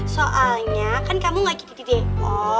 soalnya kan kamu gak gitu gitu dewa